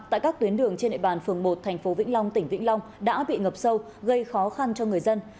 tại các tuyến đường trên nệ bàn phường một tp vĩnh long tỉnh vĩnh long đã bị ngập sâu gây khó khăn cho người dân